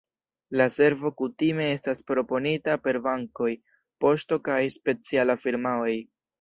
La servo kutime estas proponita per bankoj, poŝto kaj specialaj firmaoj.